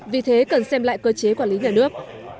vì thế cần xem lại cơ chế quản lý nhà nước